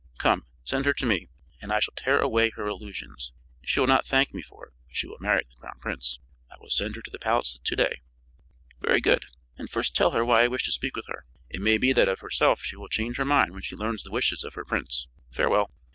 Come, send her to me, and I shall tear away her illusions. She will not thank me for it, but she will marry the crown prince." "I will send her to the palace to day." "Very good; and first tell her why I wish to speak with her. It may be that of herself she will change her mind when she learns the wishes of her prince. Farewell."